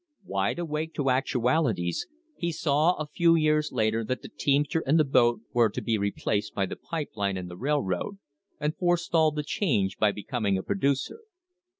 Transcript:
Wide awake to actualities, he saw a few years later that the teamster and the boat were to be replaced by the pipe line and the railroad, and forestalled the change by becom ing a producer.